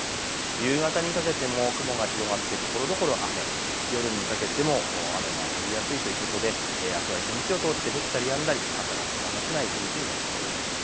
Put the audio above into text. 夕方にかけても雲が広がってところどころ雨、夜にかけても雨が降りやすいということであすは一日を通して降ったりやんだり、傘が手放せない一日になりそうです。